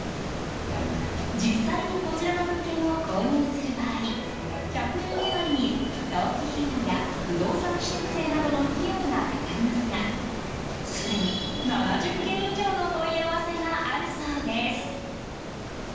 実際にこちらの物件を購入する場合、１００円以外に登記費用や不動産取得税などの費用がかかりますがすでに、７０件以上の問い合わせがあるそうです。